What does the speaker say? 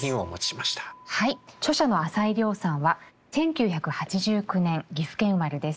著者の朝井リョウさんは１９８９年岐阜県生まれです。